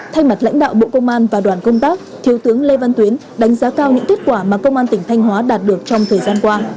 thay mặt lãnh đạo bộ công an và đoàn công tác thiếu tướng lê văn tuyến đánh giá cao những kết quả mà công an tỉnh thanh hóa đạt được trong thời gian qua